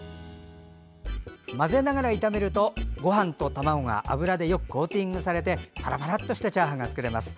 混ぜながら炒めるとごはんと卵が油でよくコーティングされてパラパラとしたチャーハンが作れますよ。